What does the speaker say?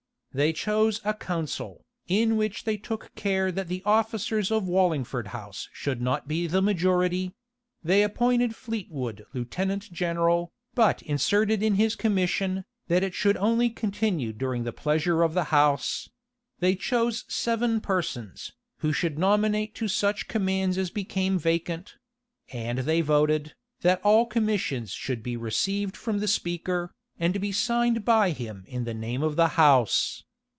They chose a council, in which they took care that the officers of Wallingford House should not be the majority: they appointed Fleetwood lieutenant general, but inserted in his commission, that it should only continue during the pleasure of the house: they chose seven persons, who should nominate to such commands as became vacant; and they voted, that all commissions should be received from the speaker, and be signed by him in the name of the house.